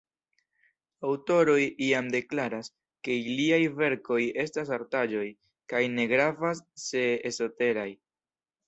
Aŭtoroj iam deklaras, ke iliaj verkoj estas artaĵoj, kaj ne gravas, se esoteraj.